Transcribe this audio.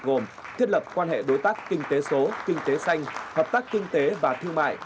gồm thiết lập quan hệ đối tác kinh tế số kinh tế xanh hợp tác kinh tế và thương mại